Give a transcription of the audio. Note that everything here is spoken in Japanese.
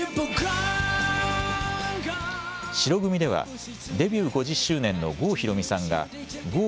白組ではデビュー５０周年の郷ひろみさんがＧＯ！